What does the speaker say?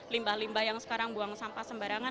limbah limbah yang sekarang buang sampah sembarangan